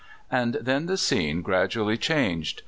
And then the scene gradually changed.